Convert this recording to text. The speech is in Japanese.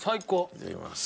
いただきます。